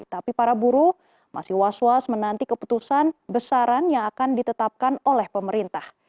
tapi para buruh masih was was menanti keputusan besaran yang akan ditetapkan oleh pemerintah